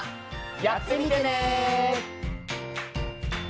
やってみてね。